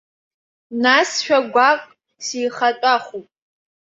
Насшәа гәаҟк сихатәахуп.